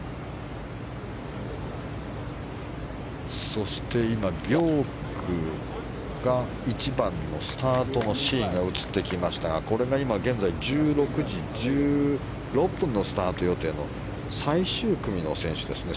そして今、ビョークの１番のスタートのシーンが映ってきましたが１６時１６分のスタート予定の最終組の選手ですね。